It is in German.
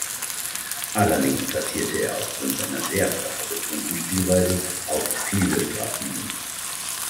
Allerdings kassierte er auf Grund seiner sehr körperbetonten Spielweise auch viele Strafminuten.